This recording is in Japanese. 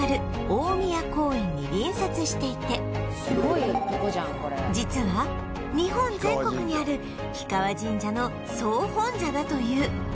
大宮公園に隣接していて実は日本全国にある氷川神社の総本社だという